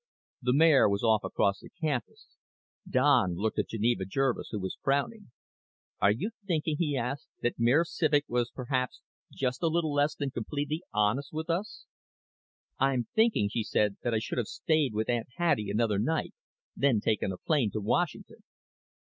The mayor was off across the campus. Don looked at Geneva Jervis, who was frowning. "Are you thinking," he asked, "that Mayor Civek was perhaps just a little less than completely honest with us?" "I'm thinking," she said, "that I should have stayed with Aunt Hattie another night, then taken a plane to Washington."